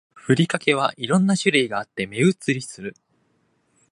ふりかけは色んな種類があって目移りする